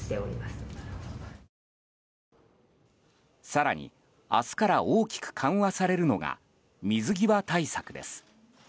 更に、明日から大きく緩和されるのが水際対策です。